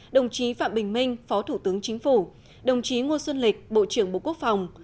đồng chí phạm bình minh phó thủ tướng chính phủ đồng chí ngô xuân lịch bộ trưởng bộ quốc phòng